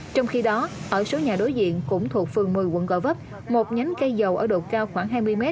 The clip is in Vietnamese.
trong khi đó ở số nhà đối diện cũng thuộc phường một mươi quận gò vấp một nhánh cây dầu ở độ cao khoảng hai mươi m